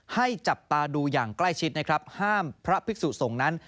ให้จับตาดูอย่างใกล้ชิดห้ามพระภิกษุสงฆ์นั้น